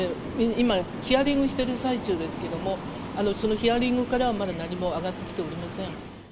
今ヒアリングしている最中ですけども、そのヒアリングからはまだ何も上がってきておりません。